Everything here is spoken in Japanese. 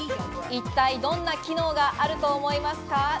一体どんな機能があると思いますか？